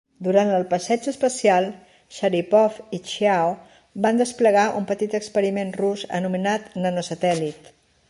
Durant el passeig espacial, Sharipov i Chiao van desplegar un petit experiment rus anomenat Nano satèl·lit